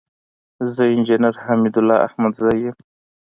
زه انجينر حميدالله احمدزى يم.